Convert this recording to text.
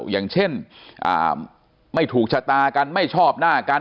อย่างเช่นไม่ถูกชะตากันไม่ชอบหน้ากัน